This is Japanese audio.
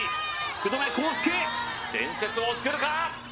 福留孝介伝説をつくるか？